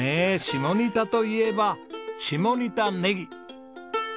下仁田といえば下仁田ネギ！